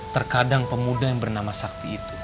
terkadang pemuda yang bernama sakti itu